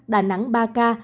đà nẵng ba ca